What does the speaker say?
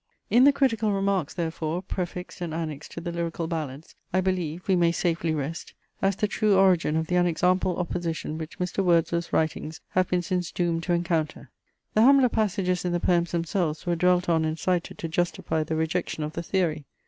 In the critical remarks, therefore, prefixed and annexed to the Lyrical Ballads, I believe, we may safely rest, as the true origin of the unexampled opposition which Mr. Wordsworth's writings have been since doomed to encounter. The humbler passages in the poems themselves were dwelt on and cited to justify the rejection of the theory.